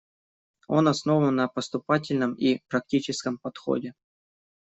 Он основан на поступательном и практическом подходе.